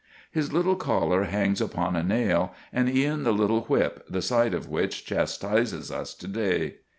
His little collar hangs upon a nail, and e'en the little whip, the sight of which chastises us to day.